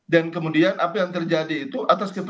dan kemudian apa yang terjadi itu atas